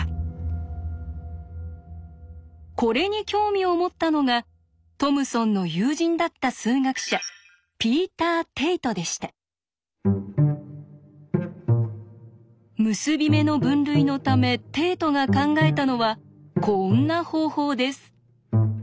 これに興味を持ったのがトムソンの友人だった数学者結び目の分類のためテイトが考えたのはこんな方法です。